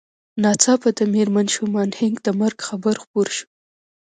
ناڅاپه د مېرمن شومان هينک د مرګ خبر خپور شو